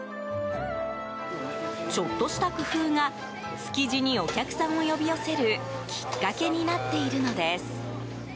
ちょっとした工夫が築地にお客さんを呼び寄せるきっかけになっているのです。